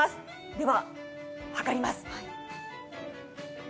では量ります。